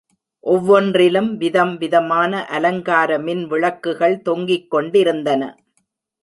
ஒவ்வொன்றிலும் விதம்விதமான அலங்கார மின் விளக்குகள் தொங்கிக் கொண்டிருந்தன.